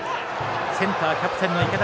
センター、キャプテンの池田。